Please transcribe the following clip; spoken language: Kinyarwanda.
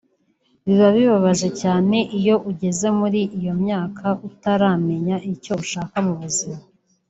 biba bibabaje cyane iyo ugeze muri iyo myaka utaramenya icyo ushaka mu buzima